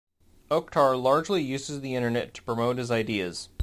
Oktar largely uses the Internet to promote his ideas.